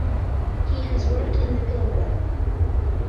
He has worked in the Pilbara.